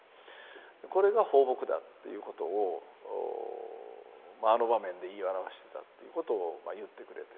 これが抱樸だっていうことをあの場面で言い表してたっていうことを言ってくれて。